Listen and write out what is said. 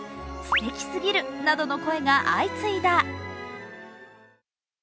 すてきすぎるなどの声が相次いだ。